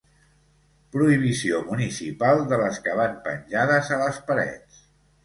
Prohibició municipal de les que van penjades a les parets.